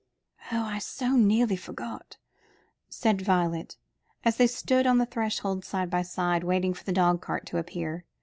"Oh, I so nearly forgot," said Violet, as they stood on the threshold, side by side, waiting for the dog cart to appear.